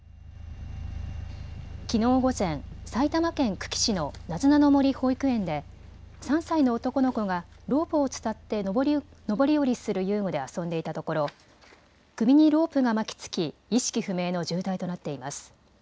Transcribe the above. きのう午前、埼玉県久喜市のなずなの森保育園で３歳の男の子がロープを伝って上り下りする遊具で遊んでいたところ首にロープが巻きつき意識不明の重体となっています。